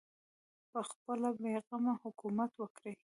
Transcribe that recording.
پخپله بې غمه حکومت وکړي